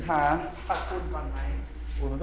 นั่ง